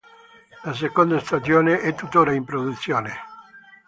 La seconda stagione è tuttora in produzione.